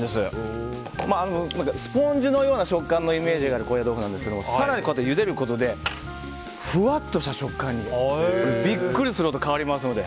スポンジのような食感のイメージがある高野豆腐なんですが更にゆでることでふわっとした食感にビックリするほど変わりますので。